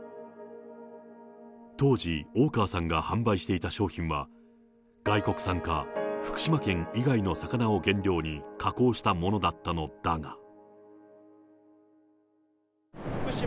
当時、大川さんが販売していた商品は、外国産か福島県以外の魚を原料に加工したものだったのだが。